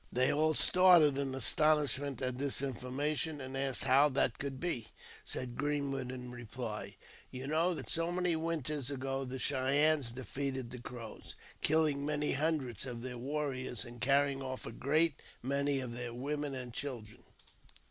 They all started in astonishment at this information, and asked how that could be. Said Greenwood in reply, " You know that so many winters ago the Cheyennes defeated the Crows, killing many hundreds •of their warriors, and carrying off a great many of their women .and children."